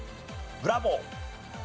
ブラボー。